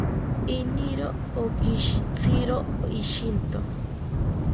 Iniro okishitziro ishinto